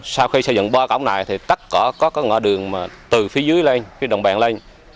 sau khi xây dựng ba cổng này thì tất cả có ngõ đường từ phía dưới lên phía đồng bàn lên